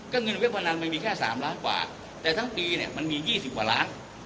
เงินเว็บพนันมันมีแค่๓ล้านกว่าแต่ทั้งปีเนี่ยมันมี๒๐กว่าล้าน